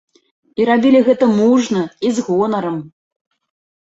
І рабілі гэта мужна і з гонарам.